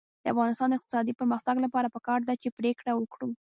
د افغانستان د اقتصادي پرمختګ لپاره پکار ده چې پرېکړه وکړو.